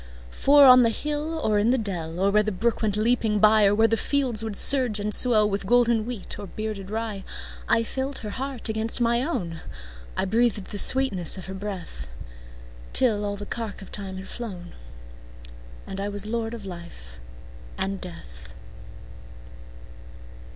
For on the hill or in the dell, Or where the brook went leaping byOr where the fields would surge and swellWith golden wheat or bearded rye,I felt her heart against my own,I breathed the sweetness of her breath, Till all the cark of time had flown, And I was lord of life and death.